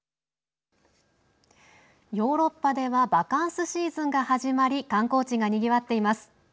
ヨーロッパではバカンスシーズンが始まり観光地が、にぎわっています。